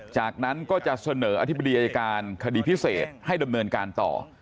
จากนั้นก็จะเสนออธิบดีอายการคดีพิเศษให้ดำเนินการต่อ